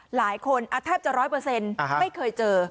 หลายคนแทบจะร้อยเปอร์เซ็นต์ไม่เคยเจอ